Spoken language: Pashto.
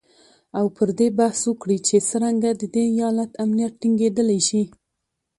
او پر دې بحث وکړي چې څرنګه د دې ایالت امنیت ټینګیدلی شي